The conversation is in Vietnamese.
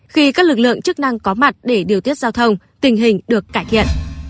khi các lực lượng chức năng có mặt để điều tiết giao thông tình hình được cải thiện